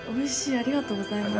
ありがとうございます。